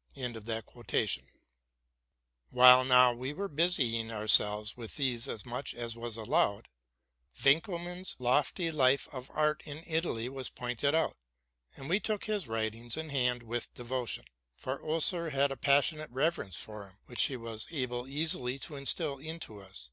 '' While now we were busying ourselves with these as much as was allowed, Winckelmann's lofty life of art in italy was pointed out, and we took his first writings in hand with devotion; for Oeser had a passionate reverence for him, which he was able easily to instil into us.